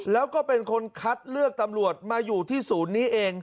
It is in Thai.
แล้วก็เป็นคนคัดเลือกตำรวจมาอยู่ที่ศูนย์นี้เอง